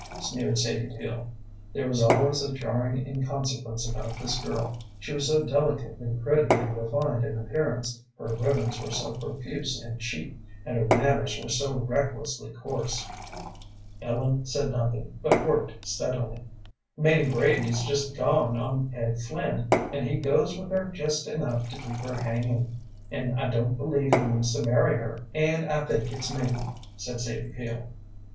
sneered Sadie Peel. There was always a jarring inconsequence about this girl, she was so delicately pretty and refined in appearance, her ribbons were so profuse and cheap, and her manners were so recklessly coarse. Ellen said nothing, but worked steadily. "Mame Brady's just gone on Ed Flynn, and he goes with her just enough to keep her hangin', and I don't believe he means to marry her, and I think it's mean," said Sadie Peel.